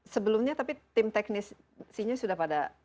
sebelumnya tapi tim teknisinya sudah pada